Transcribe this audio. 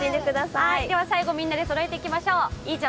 最後みんなでそろえていきましょう。